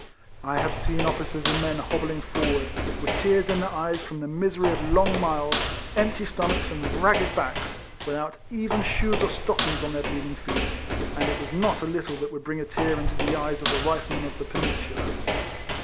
I have seen officers and men hobbling forward, with tears in their eyes from the misery of long miles, empty stomachs, and ragged backs, without even shoes or stockings on their bleeding feet, and it was not a little that would bring a tear into the eyes of a Rifle man of the Peninsular.